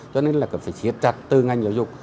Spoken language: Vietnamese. cho nên là phải thiệt chặt từ ngành giáo dục